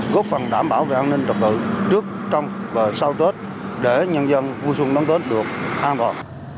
góp phần đảm bảo về an ninh trật tự trước trong và sau tết để nhân dân vui xuân đón tết được an toàn